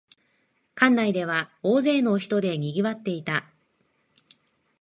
館内では大勢の人でにぎわっていた